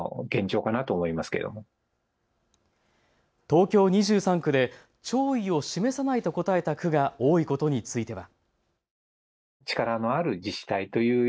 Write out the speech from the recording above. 東京２３区で弔意を示さないと答えた区が多いことについては。